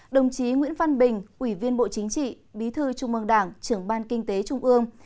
đồng chí nguyễn văn bình ủy viên bộ chính trị bí thư trung mương đảng trưởng ban kinh tế trung ương